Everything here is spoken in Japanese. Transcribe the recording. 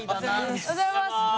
おはようございます。